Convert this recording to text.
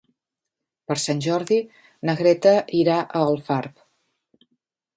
Per Sant Jordi na Greta irà a Alfarb.